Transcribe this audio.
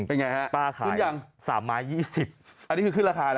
เป็นไงฮะปลาขายขึ้นยัง๓ไม้๒๐อันนี้คือขึ้นราคาแล้ว